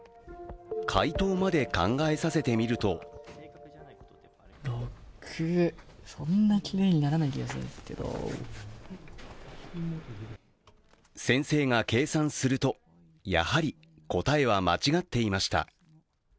解答まで考えさせてみると先生が計算するとやはり答えは間違っていました。